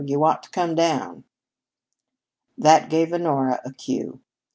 You ought to come down." That gave Honora a cue.